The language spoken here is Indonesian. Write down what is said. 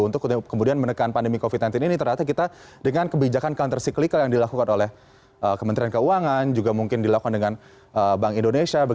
untuk kemudian menekan pandemi covid sembilan belas ini ternyata kita dengan kebijakan counter cyclical yang dilakukan oleh kementerian keuangan juga mungkin dilakukan dengan bank indonesia